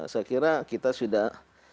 saya kira kita sudah